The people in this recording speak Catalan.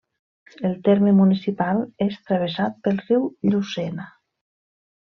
El terme municipal és travessat pel riu Llucena.